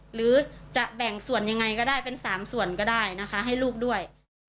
หรือจะแบ่งส่วนยังไงก็ได้เป็น๓ส่วนก็ได้นะคะให้ลูกด้วย